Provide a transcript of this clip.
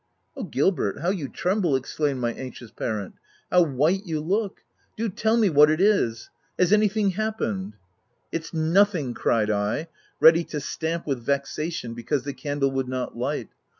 "•Oh, Gilbert, how you tremble V 9 exclaimed my anxious parent. " How white you look !— Do tell me what it is ? Has anything hap pened ?"" It's nothing !" cried I, ready to stamp with vexation because the candle would not light.